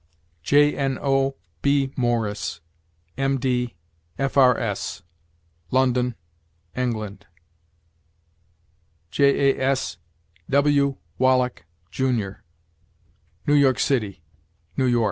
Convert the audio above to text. Jno. B. Morris, M. D., F. R. S., London, Eng.; Jas. W. Wallack, Jr., New York City, N. Y.